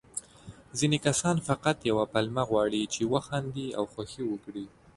ځيني کسان فقط يوه پلمه غواړي، چې وخاندي او خوښي وکړي.